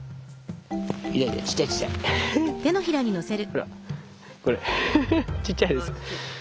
ほらこれちっちゃいです。